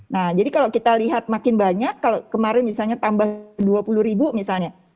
nah jadi kalau kita lihat makin banyak kalau kemarin misalnya tambah dua puluh ribu misalnya